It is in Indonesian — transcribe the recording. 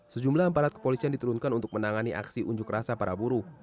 sejumlah aparat kepolisian diturunkan untuk menangani aksi unjuk rasa para buruh